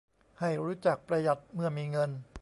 ให้รู้จักประหยัดเมื่อมีเงิน